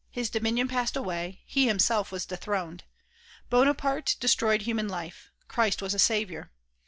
His dominion passed away ; he himself was dethroned. Bonaparte destroyed human life; Christ was a saviour.